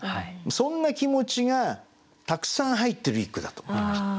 そんな気持ちがたくさん入ってる一句だと思いました。